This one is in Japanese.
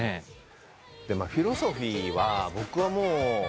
フィロソフィーは僕はもう。